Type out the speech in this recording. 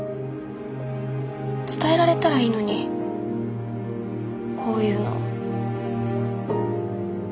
伝えられたらいいのにこういうの数字で。